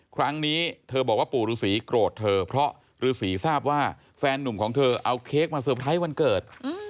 ครั้งนี้เธอบอกว่าปู่ฤษีโกรธเธอเพราะฤษีทราบว่าแฟนนุ่มของเธอเอาเค้กมาเตอร์ไพรส์วันเกิด